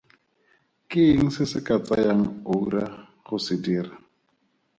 Ke eng se se ka tsayang ura go se dira?